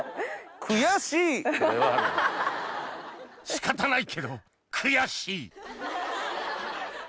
仕方ないけど悔しい！